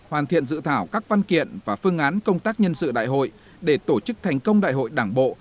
hoàn thiện dự thảo các văn kiện và phương án công tác nhân sự đại hội để tổ chức thành công đại hội đảng bộ